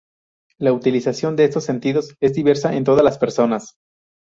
La utilización de estos sentidos es diversa en todas las personas.